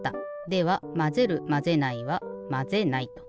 ではまぜるまぜないはまぜないと。